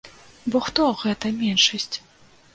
Бо хто гэта меншасць?